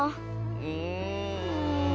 うん。